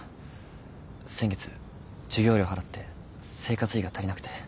先月授業料払って生活費が足りなくて。